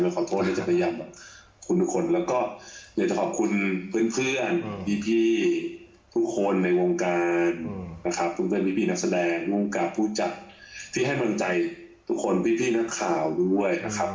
เบี้ยผมขอโทษที่จะพยายามอย่าขอบคุณเพื่อนพี่ทุกคนทุกคนในวงการและงการ